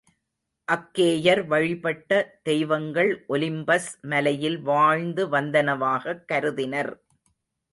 அக்கேயர் வழிபட்ட தெய்வங்கள் ஒலிம்பஸ் மலையில் வாழ்ந்து வந்தனவாகக் கருதினர்.